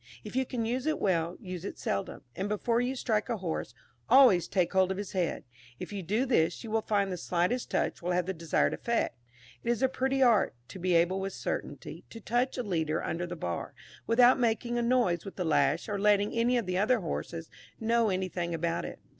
If you can use it well, use it seldom, and before you strike a horse, always take hold of his head; if you do this, you will find the slightest touch will have the desired effect. It is a pretty art, to be able with certainty, to touch a leader under the bar, without making a noise with the lash or letting any of the other horses know anything about it.